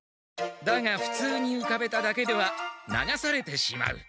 だがふつうにうかべただけでは流されてしまう。